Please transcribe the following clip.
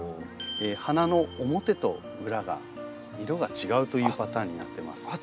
花の表と裏が色が違うというパターンになってます。